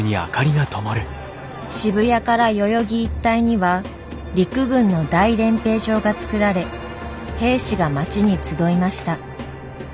渋谷から代々木一帯には陸軍の大練兵場が造られ兵士が町に集いました。